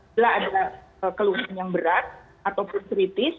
jika ada kelurahan yang berat ataupun kritis